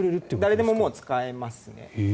誰でも使えますね。